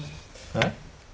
えっ？